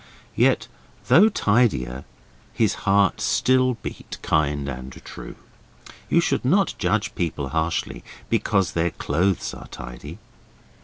Yet, though tidier, his heart still beat kind and true. You should not judge people harshly because their clothes are tidy.